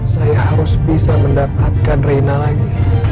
saya harus bisa mendapatkan reina lagi